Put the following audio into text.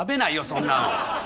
そんなの。